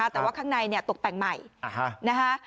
แต่ว่าข้างในตกแต่งใหม่นะคะ